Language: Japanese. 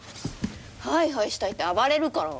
ハイハイしたいって暴れるから。